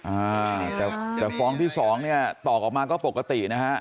อ่าแต่ฟองที่๒ต่อออกมาก็ปกตินะฮะ